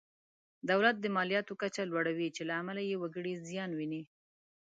دولت د مالیاتو کچه لوړوي چې له امله یې وګړي زیان ویني.